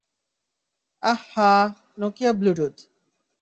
আহ হাহ, Nokia Bluetooth.